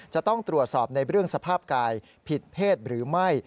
จะต้องตรวจสอบในเรื่องสภาพกายผิดเพศหรือไม่